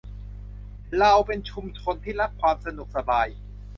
เราเป็นชุมชนที่รักความสนุกสบาย